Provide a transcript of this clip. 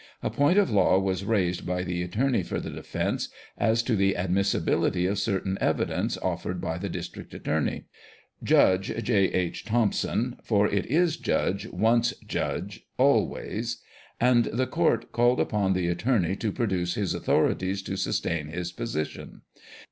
A point of law was raised by the attorney for the defence as to the admissibility of certain evidence offered by the district attorney, " Judge " J. H. Thompson (for it is "judge" once, "judge" always), and the court called upon the attorney to produce his authorities to sustain his posi tion.